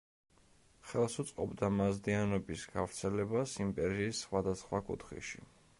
ხელს უწყობდა მაზდეანობის გავრცელებას იმპერიის სხვადასხვა კუთხეში.